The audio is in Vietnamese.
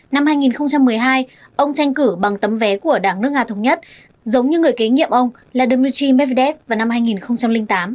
năm hai nghìn một mươi hai ông tranh cử bằng tấm vé của đảng nước nga thống nhất giống như người kế nhiệm ông là dmitry medvedev vào năm hai nghìn tám